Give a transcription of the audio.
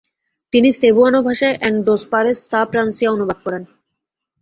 তিনি সেবুয়ানো ভাষায় এং ডোস পারেস সা প্রানসিয়া অনুবাদ করেন।